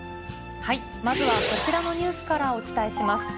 まずはこちらのニュースからお伝えします。